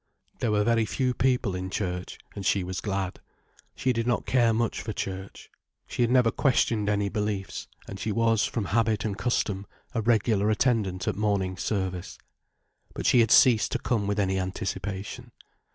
There were very few people in church, and she was glad. She did not care much for church. She had never questioned any beliefs, and she was, from habit and custom, a regular attendant at morning service. But she had ceased to come with any anticipation.